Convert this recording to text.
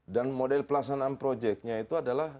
dan model pelaksanaan projeknya itu adalah